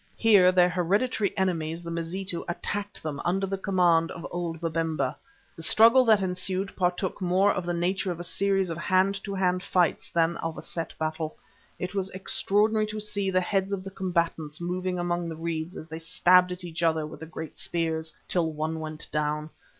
Here their hereditary enemies, the Mazitu, attacked them under the command of old Babemba. The struggle that ensued partook more of the nature of a series of hand to hand fights than of a set battle. It was extraordinary to see the heads of the combatants moving among the reeds as they stabbed at each other with the great spears, till one went down.